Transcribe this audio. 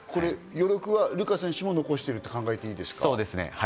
余力は流佳選手も残していると考えていいですか？